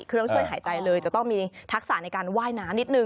เครื่องช่วยหายใจเลยจะต้องมีทักษะในการว่ายน้ำนิดนึ